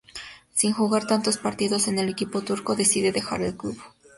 Sin jugar tantos partidos en el equipo turco decide dejar el club.